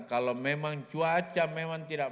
kalau memang cuaca memang tidak